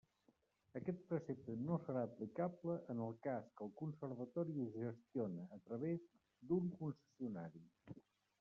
Aquest precepte no serà aplicable en el cas que el conservatori es gestione a través d'un concessionari.